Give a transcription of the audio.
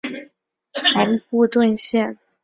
兰布顿县的经济支柱为石油化工业和旅游业。